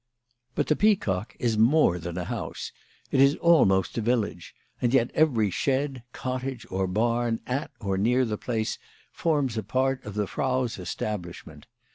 But the Peacock is more than a house. It is almost a village ; and yet every shed, cottage, or barn at or near the place forms a part of the Frau's establishment.